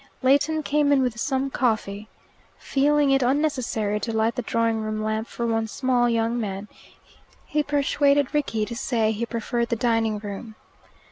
Leighton came in with some coffee. Feeling it unnecessary to light the drawing room lamp for one small young man, he persuaded Rickie to say he preferred the dining room.